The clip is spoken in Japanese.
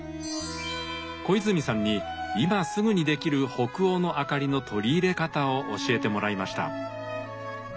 小泉さんに今すぐにできる北欧のあかりの取り入れ方を教えてもらいました。